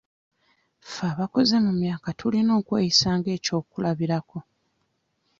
Ffe abakuze mu myaka tulina okweyisa nga eky'okulabirako.